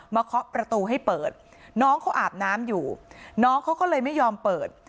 เคาะประตูให้เปิดน้องเขาอาบน้ำอยู่น้องเขาก็เลยไม่ยอมเปิด